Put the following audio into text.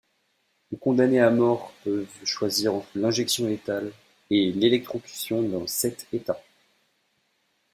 Les condamnés à mort peuvent choisir entre l'injection létale et l'électrocution dans sept États.